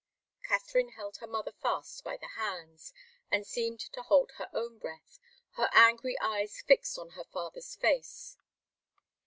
Katharine held her mother fast by the hands, and seemed to hold her own breath, her angry eyes fixed on her father's face.